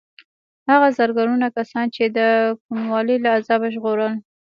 هغه زرګونه کسان د کوڼوالي له عذابه وژغورل.